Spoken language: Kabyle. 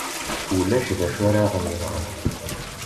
Ulac d acu ara ɣ-yenɣen.